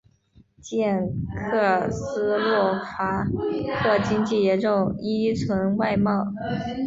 捷克斯洛伐克经济严重依存外贸。